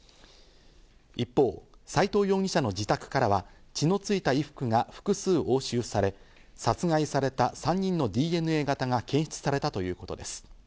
一方、斎藤容疑者の自宅からは血のついた衣服が複数押収され、殺害された３人のＤＮＡ型が検出されたということです。